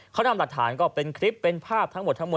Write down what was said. เขานำหลักฐานก็เป็นคลิปเป็นภาพทั้งหมดทั้งหมด